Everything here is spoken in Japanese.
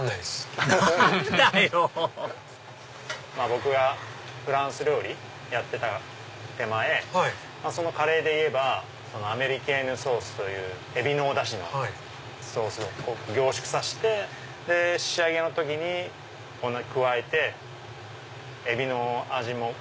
僕がフランス料理やってた手前そのカレーでいえばアメリケーヌソースというエビのおダシのソースを凝縮させて仕上げの時に加えてエビの味も。